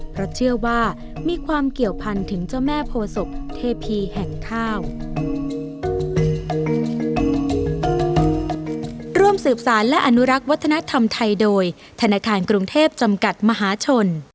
เพราะเชื่อว่ามีความเกี่ยวพันถึงเจ้าแม่โพศพเทพีแห่งข้าว